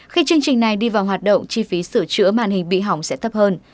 khi chương trình này đi vào hoạt động chi phí sửa chữa màn hình bị hỏng sẽ thấp hơn